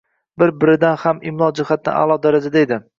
Bir-biridan ham imlo jihatidan a’lo darajada edi.